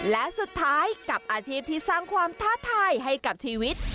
และสุดท้ายกับอาชีพที่สร้างความท้าทายให้กับชีวิต